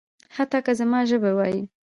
حتی که زما ژبه وايي.